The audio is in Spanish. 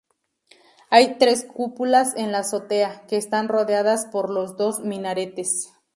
Hay tres cúpulas en la azotea, que están rodeadas por los dos minaretes.